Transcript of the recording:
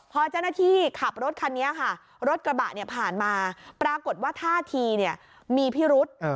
พอเจ้าหน้าที่ขับรถคันนี้ค่ะรถกระบะเนี่ยผ่านมาปรากฏว่าท่าทีมีพิรุษ